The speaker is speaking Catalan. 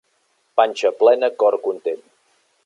Panxa plena, cor content.